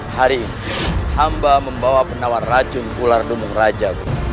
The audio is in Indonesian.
hari ini hamba membawa penawar racun ular dumung raja